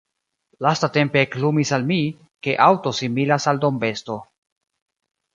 Lastatempe eklumis al mi, ke aŭto similas al dombesto.